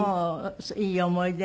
いい思い出ね。